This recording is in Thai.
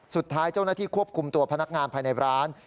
สุดท้ายเจ้าหน้าที่ควบคุมตัวพนักงานภายในร้าน